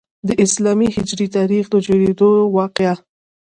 د اسلامي هجري تاریخ د جوړیدو واقعه.